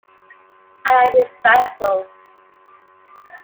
I am his vessel.